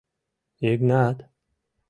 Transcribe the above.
— Йыгнат!..